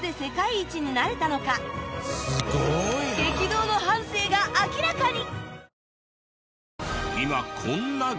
激動の半生が明らかに！